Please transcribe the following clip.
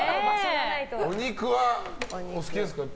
お肉はお好きですか？